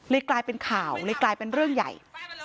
กลายเป็นข่าวเลยกลายเป็นเรื่องใหญ่